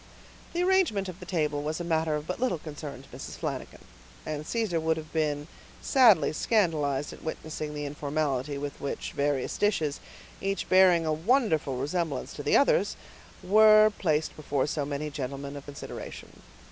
The arrangement of the table was a matter of but little concern to Mrs. Flanagan; and Caesar would have been sadly scandalized at witnessing the informality with which various dishes, each bearing a wonderful resemblance to the others, were placed before so many gentlemen of consideration.